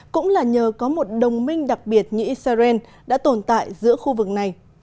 cũng là nhờ có một đồng minh đặc biệt như israel đã tồn tại giữa khu vực này